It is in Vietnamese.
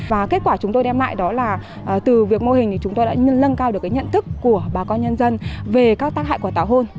và kết quả chúng tôi đem lại đó là từ việc mô hình thì chúng tôi đã lân cao được cái nhận thức của bà con nhân dân về các tác hại của tảo hôn